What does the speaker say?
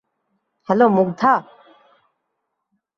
Hello Mugdha?